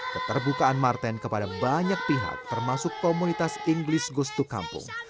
keterbukaan martin kepada banyak pihak termasuk komunitas inggris gustu kampung